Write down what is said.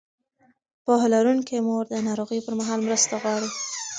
پوهه لرونکې مور د ناروغۍ پر مهال مرسته غواړي.